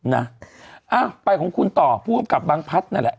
นะอ้าวไปของคุณต่อผู้กำกับบางพัฒน์นั่นแหละ